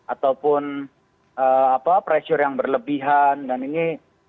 ataupun pressure yang berlebihan dan ini